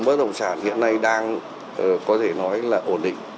bất động sản hiện nay đang có thể nói là ổn định